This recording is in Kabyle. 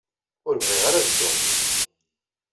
Ur bɣiɣ ara ad dduɣ yid-k.